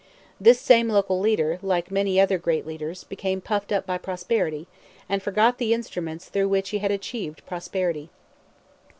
This same local leader, like many other greater leaders, became puffed up by prosperity, and forgot the instruments through which he had achieved prosperity.